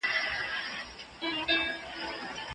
زه اوس خپل نوی کتاب لولم.